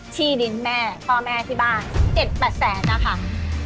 ที่ดินแม่พ่อแม่ที่บ้าน๗๘แสนนะคะ